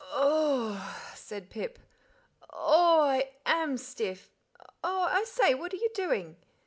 "O o oh," said Pip; "o oh! I AM stiff o oh, I say, what are you doing?"